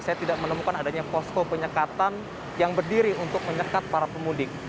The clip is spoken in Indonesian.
saya tidak menemukan adanya posko penyekatan yang berdiri untuk menyekat para pemudik